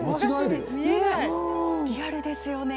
リアルですよね。